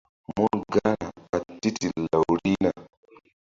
Mun gahna ɓa titil law rihna.